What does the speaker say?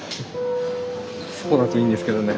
そうだといいんですけどね。